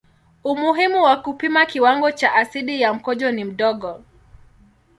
Umuhimu wa kupima kiwango cha asidi ya mkojo ni mdogo.